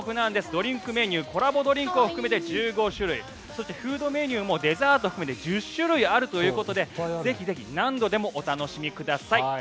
ドリンクメニューコラボドリンクも含めて１５種類デザートも１０種類あるということでぜひぜひ何度でもお楽しみください。